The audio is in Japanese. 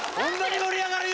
盛り上がるよ